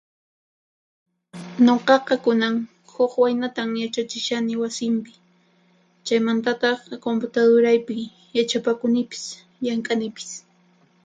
Nuqaqa kunan huq waynata yachachishani wasinpi, chaymantataq kumputaturaypi yachapakunipis llank'anipis.